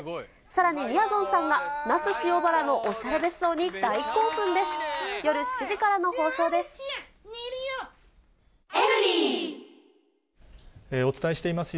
さらにみやぞんさんが、那須塩原のおしゃれ別荘に大興奮です。